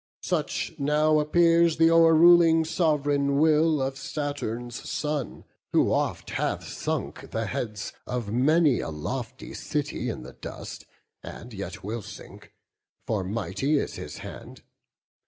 Such now appears th' o'er ruling sov'reign will Of Saturn's son; who oft hath sunk the heads Of many a lofty city in the dust, And yet will sink; for mighty is his hand.